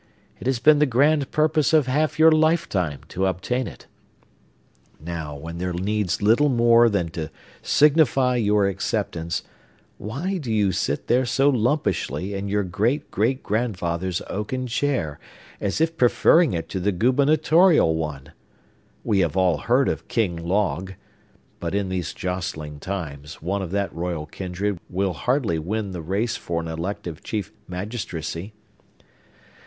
It has been the grand purpose of half your lifetime to obtain it. Now, when there needs little more than to signify your acceptance, why do you sit so lumpishly in your great great grandfather's oaken chair, as if preferring it to the gubernatorial one? We have all heard of King Log; but, in these jostling times, one of that royal kindred will hardly win the race for an elective chief magistracy.